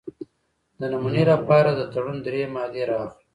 د نمونې لپاره د تړون درې مادې را اخلو.